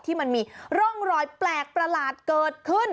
มันมีร่องรอยแปลกประหลาดเกิดขึ้น